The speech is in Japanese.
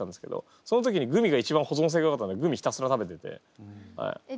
その時にグミが一番保存性がよかったんでグミひたすら食べてて。